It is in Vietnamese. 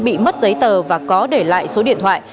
bị mất giấy tờ và có để lại số điện thoại